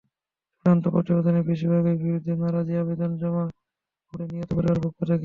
চূড়ান্ত প্রতিবেদনের বেশির ভাগেরই বিরুদ্ধে নারাজি আবেদন জমা পড়ে নিহতের পরিবারের পক্ষ থেকে।